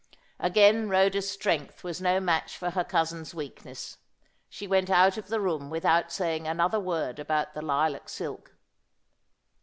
Again Rhoda's strength was no match for her cousin's weakness. She went out of the room without saying another word about the lilac silk.